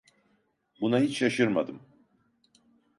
Buna hiç şaşırmadım.